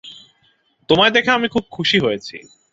তোমায় দেখে আমি খুব খুশি হয়েছি।